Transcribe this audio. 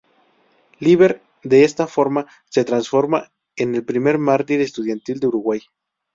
Líber, de esta forma, se transforma en el primer mártir estudiantil de Uruguay.